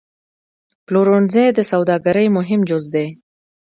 پلورنځی د سوداګرۍ مهم جز دی.